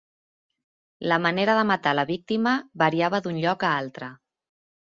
La manera de matar a la víctima variava d'un lloc a altra.